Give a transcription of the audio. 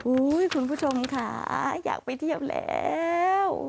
คุณผู้ชมค่ะอยากไปเที่ยวแล้ว